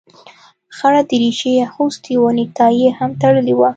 خړه دريشي يې اغوستې وه نيكټايي يې هم تړلې وه.